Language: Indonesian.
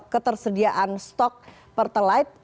ketersediaan stok pertalite